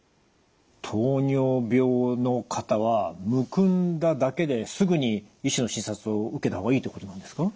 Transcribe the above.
糖尿病の方はむくんだだけですぐに医師の診察を受けた方がいいってことなんですか？